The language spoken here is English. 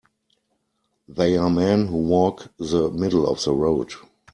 They are men who walk the middle of the road.